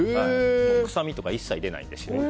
臭みとか一切出ないですし。